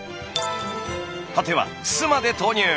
果ては酢まで投入。